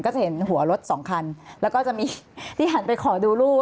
จะเห็นหัวรถสองคันแล้วก็จะมีที่หันไปขอดูลูก